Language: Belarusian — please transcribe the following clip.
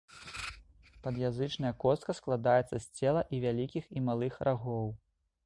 Пад'язычная костка складаецца з цела і вялікіх і малых рагоў.